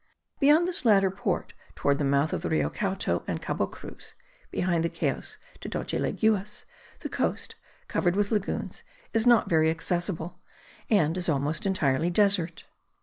Beyond this latter port, towards the mouth of the Rio Cauto and Cabo Cruz (behind the Cayos de doce Leguas), the coast, covered with lagoons, is not very accessible, and is almost entirely desert.